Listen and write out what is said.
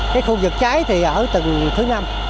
cái khu vực cháy thì ở tầng thứ năm